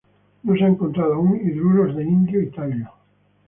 No se han encontrado aún hidruros de indio y talio.